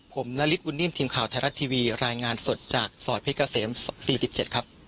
ผมณฤทธิ์วุ่นนิ่มทีมข่าวไทยรัฐทีวีรายงานสดจากสอดพิกเกษม๔๗ครับ